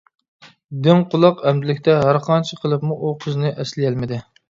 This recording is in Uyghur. دىڭ قۇلاق ئەمدىلىكتە ھەرقانچە قىلىپمۇ ئۇ قىزنى ئەسلىيەلمىدى.